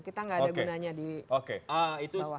kita nggak ada gunanya di bawah